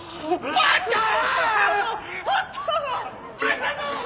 やったー！